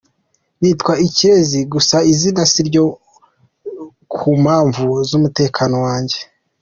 Nitwa ikirezi gusa izina siryo kumpamvu z’umutekano wange.